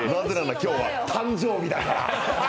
今日は誕生日だから。